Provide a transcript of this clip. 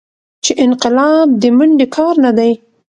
چې انقلاب دې منډې کار نه دى.